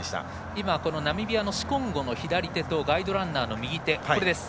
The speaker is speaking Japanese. ナミビアのシコンゴの左手とガイドランナーの右手。